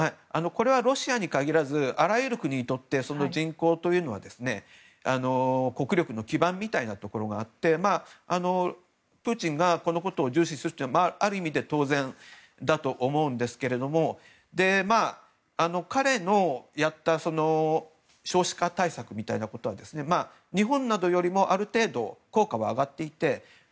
これはロシアに限らずあらゆる国にとって人口というのは、国力の基盤みたいなところがあってプーチンがこのことを重視するのはある意味で当然だと思うんですけれども彼のやった少子化対策みたいなことは日本などよりもある程度、効果は上がっていて。